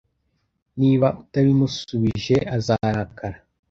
Niba utabimusubije, azarakara!